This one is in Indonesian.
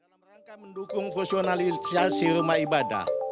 menerangkan mendukung fungsionalisasi rumah ibadah